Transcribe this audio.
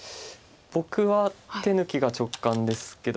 僕は手抜きが直感ですけど。